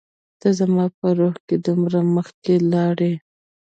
ته زما په روح کي دومره مخکي لاړ يي